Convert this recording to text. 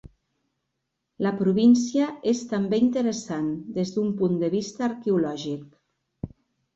La província és també interessant des d'un punt de vista arqueològic.